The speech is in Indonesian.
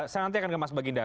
saya nanti akan ke mas baginda